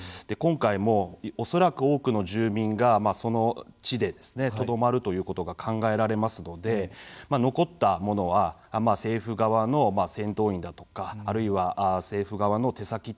今回も恐らく多くの住民がその地でとどまるということが考えられますので残った者は政府側の戦闘員だとかあるいは、政府側の手先